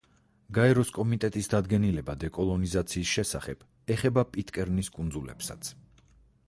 გაეროს კომიტეტის დადგენილება დეკოლონიზაციის შესახებ ეხება პიტკერნის კუნძულებსაც.